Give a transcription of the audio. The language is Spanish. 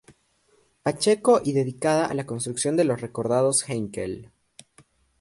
Pacheco y dedicada a la construcción de los recordados Heinkel.